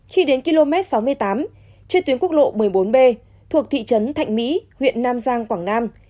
khi đến km sáu mươi tám trên tuyến quốc lộ một mươi bốn b thuộc thị trấn thạnh mỹ huyện nam giang quảng nam